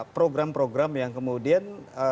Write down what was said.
program program yang kemudian